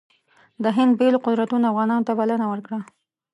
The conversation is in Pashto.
د هند بېلو قدرتونو افغانانو ته بلنه ورکړه.